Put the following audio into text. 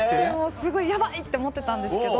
すごいヤバい！って思ってたんですけど。